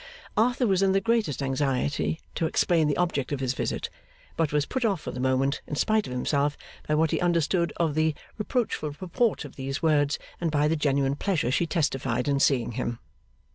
Arthur was in the greatest anxiety to explain the object of his visit; but was put off for the moment, in spite of himself, by what he understood of the reproachful purport of these words, and by the genuine pleasure she testified in seeing him.